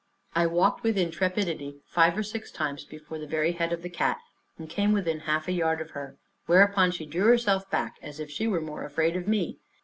I walked with intrepidity five or six times before the very head of the cat, and came within half a yard of her; whereupon she drew herself back, as if she were more afraid of me.